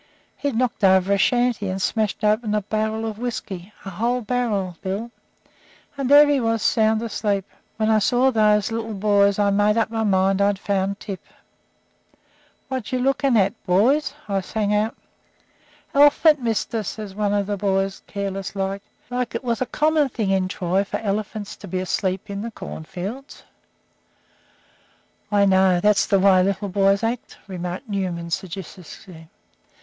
He'd knocked over a shanty and smashed open a barrel of whisky a whole barrel, Bill and there he was sound asleep. When I saw those little boys I made up my mind I'd found Tip. "'What ye lookin' at, little boys?' I sung out. "'El'phunt, mister,' says one of the boys, sort of careless like, just as if it was a common thing in Troy for elephants to be asleep in corn fields." "I know, that's the way little boys act," remarked Newman, sagaciously.